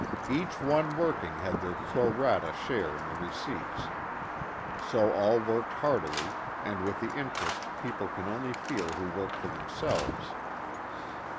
Each one working had their pro rata share in the receipts. So all worked heartily and with the interest people can only feel who work for themselves.